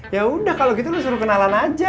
ya udah kalo gitu lo suruh kenalan aja